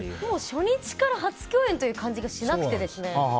初日から初共演という感じがしなくて。